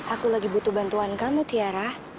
aku lagi butuh bantuan kamu tiara